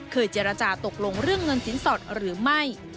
เจรจาตกลงเรื่องเงินสินสอดหรือไม่